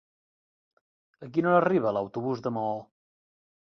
A quina hora arriba l'autobús de Maó?